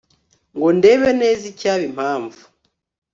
Ngo ndebe neza icyaba impamvu